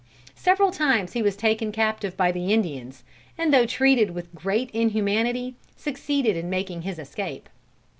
Several times he was taken captive by the Indians, and though treated with great inhumanity, succeeded in making his escape.